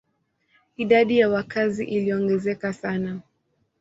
Idadi ya wakazi iliongezeka sana.